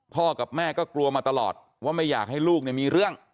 กับแม่ก็กลัวมาตลอดว่าไม่อยากให้ลูกมีเรื่อง